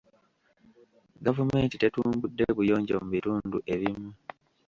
Gavumenti tetumbudde buyonjo mu bitundu ebimu.